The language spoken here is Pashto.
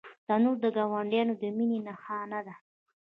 تنور د ګاونډیانو د مینې نښانه ده